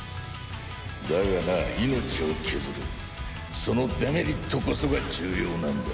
だがな命を削るそのデメリットこそが重要なんだ。